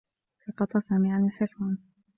سقط سامي عن الحصان.